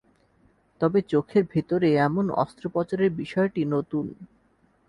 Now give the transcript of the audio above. তবে চোখের ভেতরে এমন অস্ত্রোপচারের বিষয়টি নতুন।